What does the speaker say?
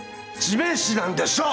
地面師なんでしょ！